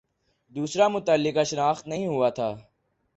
دوسرا متعلقہ شناخت نہیں ہوا تھا